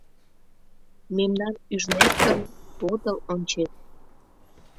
Мемнам ӱжнет гын, подыл ончет.